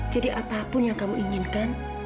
jadi apapun yang kamu inginkan